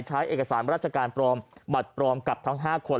ใช้เอกสารราชการปลอมบัตรปลอมกับทั้ง๕คน